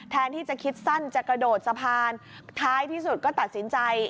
แทนที่จะคิดสั้นจะกระโดดสะพานท้ายที่สุดก็ตัดสินใจ